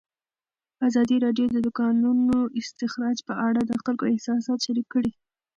ازادي راډیو د د کانونو استخراج په اړه د خلکو احساسات شریک کړي.